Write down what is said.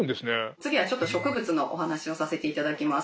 次はちょっと植物のお話をさせていただきます。